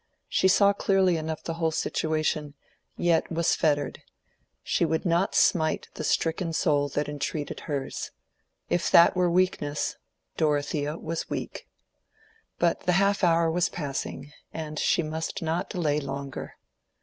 She saw clearly enough the whole situation, yet she was fettered: she could not smite the stricken soul that entreated hers. If that were weakness, Dorothea was weak. But the half hour was passing, and she must not delay longer.